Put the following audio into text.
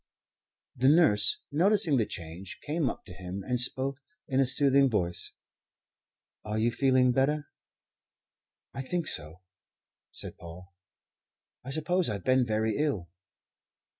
The nurse, noticing the change, came up to him and spoke in a soothing voice. "Are you feeling better?" "I think so," said Paul. "I suppose I've been very ill."